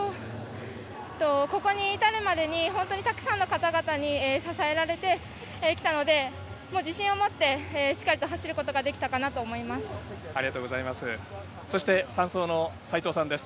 ここに至るまでに本当にたくさんの方々に支えられて、きたので自信を持ってしっかりと走ることができたかなと思います。